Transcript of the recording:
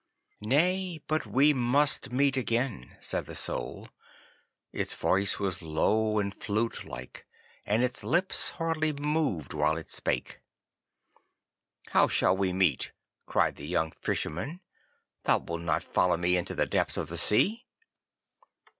'Nay, but we must meet again,' said the Soul. Its voice was low and flute like, and its lips hardly moved while it spake. 'How shall we meet?' cried the young Fisherman. 'Thou wilt not follow me into the depths of the sea?